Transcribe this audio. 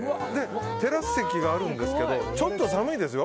テラス席があるんですけどちょっと寒いんですよ。